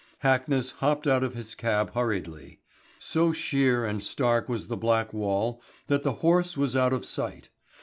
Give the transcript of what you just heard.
Hackness hopped out of his cab hurriedly. So sheer and stark was the black wall that the horse was out of sight.